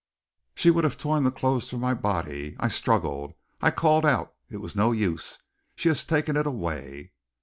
She would have torn the clothes from my body. I struggled. I called out. It was no use. She has taken it away."